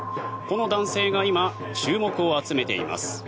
この男性が今、注目を集めています。